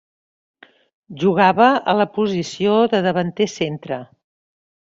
Jugava a la posició de davanter centre.